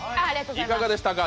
いかがでしたか？